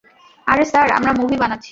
আরে, স্যার আমরা মুভি বানাচ্ছি।